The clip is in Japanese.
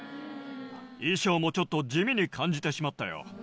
衣装もちょっと地味に感じてしまったよ。